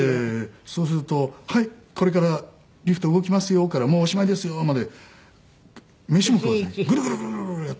そうすると「はいこれからリフト動きますよ」から「もうおしまいですよ」まで飯も食わずにグルグルグルグルやって。